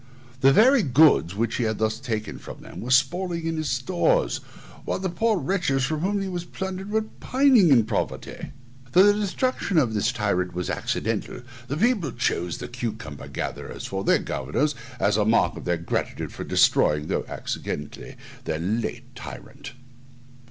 The very goods which he had thus taken from them were spoiling in his stores, while the poor wretches from whom they were plundered were pining in poverty. Though the destruction of this tyrant was accidental, the people chose the cucumber gatherers for their governors, as a mark of their gratitude for destroying, though accidentally, their late tyrant.